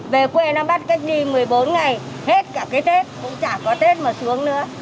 về quê nó bắt cách đi một mươi bốn ngày hết cả cái tết cũng chẳng có tết mà xuống nữa